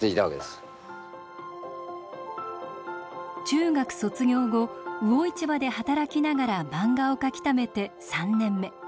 中学卒業後魚市場で働きながら漫画を描きためて３年目。